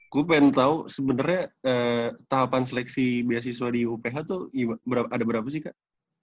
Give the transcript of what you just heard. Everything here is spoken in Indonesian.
kupen tau sebenernya tahapan seleksi beasiswa di uph tuh ada berapa sih kak